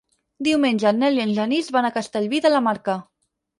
Diumenge en Nel i en Genís van a Castellví de la Marca.